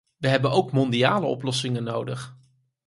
We hebben ook mondiale oplossingen nodig.